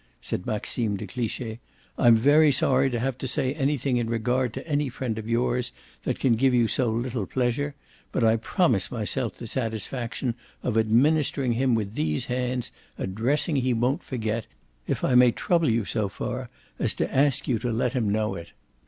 said Maxime de Cliche. "I'm very sorry to have to say anything in regard to any friend of yours that can give you so little pleasure; but I promise myself the satisfaction of administering him with these hands a dressing he won't forget, if I may trouble you so far as to ask you to let him know it!"